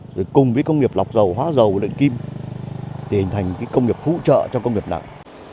rồi cùng với công nghiệp lọc dầu hóa dầu luyện kim thì hình thành cái công nghiệp hỗ trợ cho công nghiệp nặng